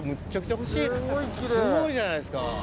すごいじゃないですか。